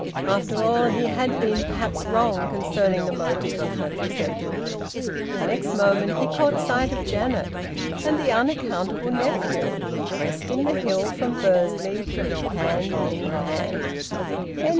After all, he had been perhaps wrong concerning the motive of her visit. The next moment he caught sight of Janet and the unaccountable nephew, breasting the hill from Bursley, hand in hand.